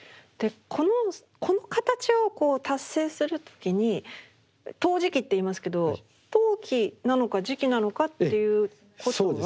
この形をこう達成する時に陶磁器っていいますけど陶器なのか磁器なのかっていうことは。